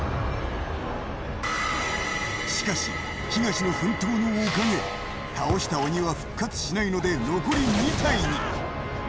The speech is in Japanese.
しかし、東の奮闘のおかげ、倒した鬼は復活しないので残り２体に。